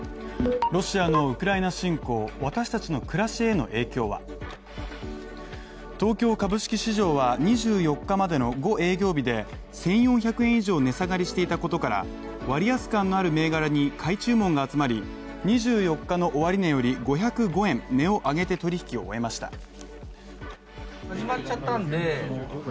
ロシアのウクライナ侵攻、私たちの暮らしへの影響は東京株式市場は２４日までの５営業日で１４００円以上値下がりしていたことから割安感のある銘柄に買い注文が集まり、２４日の終値より５０５円値を上げて取り引きを終えました。